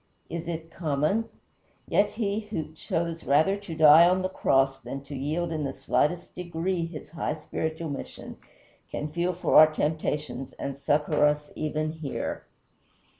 is it common? Yet he who chose rather to die on the cross than to yield in the slightest degree his high spiritual mission can feel for our temptations and succor us even here.